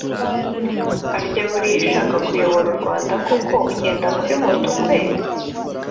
Harya buriya ushaka kuyobora U Rwanda koko agenda kuri moto kweri